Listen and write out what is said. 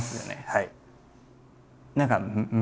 はい。